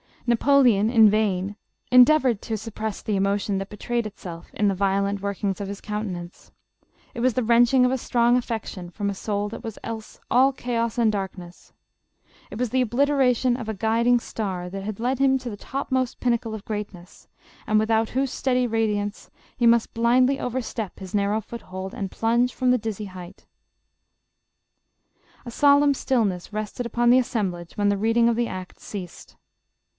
Napoleon in vain en deavored to suppress the emotion that betrayed itself in the violent workings of his countenance ; it was the wrenching of a strong affection from a soul that was else all chaos and darkness ; it was the obliteration of a guiding star that had led him to the topmost pinnacle of greatness, and without whose steady radiance, he must blindly overstep his narrow foothold and plunge from the dizzy height A solemn stillness rested upon the assemblage when the reading of the Act ceased.